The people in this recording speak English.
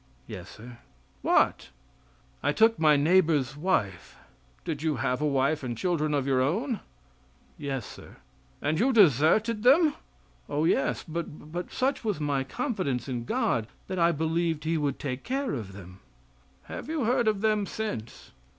"Yes Sir." "What?" "I took my neighbor's wife." "Did you have a wife and children of your own?" "Yes, Sir." "And you deserted them?" "Oh, yes; but such was my confidence in God that I believed he would take care of them." "Have you heard of them since?"